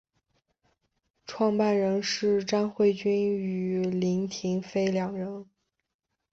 创办人是詹慧君与林庭妃两人。